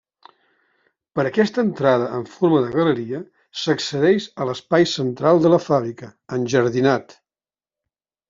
Per aquesta entrada en forma de galeria s'accedeix a l'espai central de la fàbrica, enjardinat.